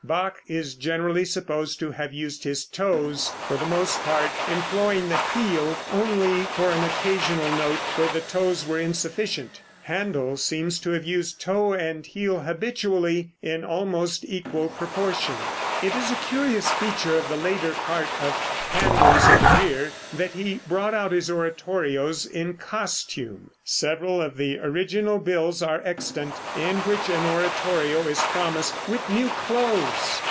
Bach is generally supposed to have used his toes for the most part, employing the heel only for an occasional note where the toes were insufficient. Händel seems to have used toe and heel habitually in almost equal proportion. It is a curious feature of the later part of Händel's career that he brought out his oratorios in costume. Several of the original bills are extant, in which an oratorio is promised "with new cloathes."